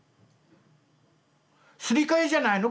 「すり替えじゃないの？